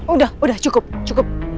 udah udah cukup cukup